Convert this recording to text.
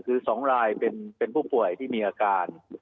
คือ๒รายเป็นผู้ป่วยที่มีอาการ